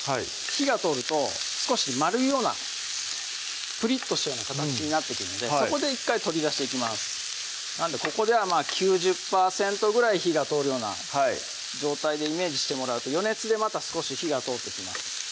火が通ると少し丸いようなプリッとしたような形になってくるのでそこで１回取り出していきますなのでここでは９０％ぐらい火が通るような状態でイメージしてもらうと余熱でまた少し火が通ってきます